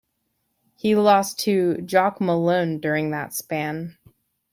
He lost to Jock Malone during that span.